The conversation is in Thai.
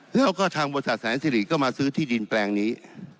แล้วก็ทางบริษัทแสนสิริก็มาซื้อที่ดินแปลงนี้